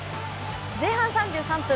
前半３３分。